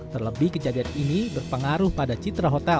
terlebih kejadian ini berpengaruh pada citra hotel